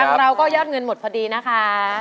เราก็ยอดเงินหมดพอดีนะคะ